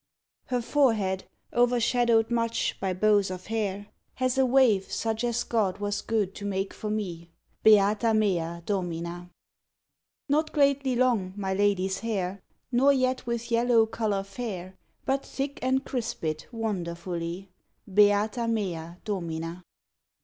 _ Her forehead, overshadow'd much By bows of hair, has a wave such As God was good to make for me. Beata mea Domina! Not greatly long my lady's hair, Nor yet with yellow colour fair, But thick and crispèd wonderfully: _Beata mea Domina!